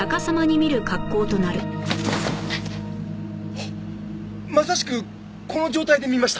あっまさしくこの状態で見ました！